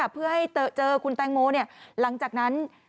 เพื่อให้เจอคุณแตงโมหลังจากนั้น